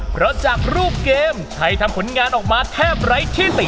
เพราะจากรูปเกมไทยทำผลงานออกมาแทบไร้ที่๔